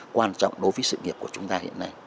quan trọng đối với sự nghiệp của chúng ta hiện nay